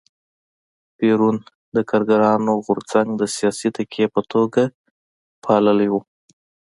پېرون د کارګرانو غورځنګ د سیاسي تکیې په توګه پاللی و.